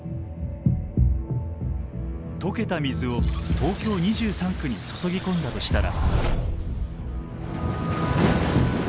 解けた水を東京２３区に注ぎ込んだとしたら。